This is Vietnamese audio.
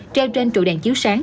treo trên trụ đèn chiếu sáng